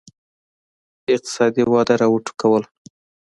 اقتصادي وده را وټوکول.